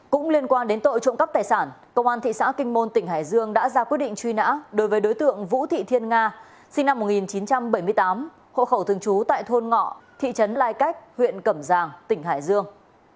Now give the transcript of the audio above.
cũng liên quan đến tội trộm cắp tài sản công an thị xã kinh môn tỉnh hải dương đã ra quyết định truy nã đối với đối tượng vũ thị thiên nga sinh năm một nghìn chín trăm bảy mươi tám hộ khẩu thường trú tại thôn ngọ thị trấn lai cách huyện cẩm giang tỉnh hải dương